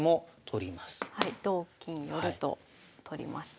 同金寄と取りました。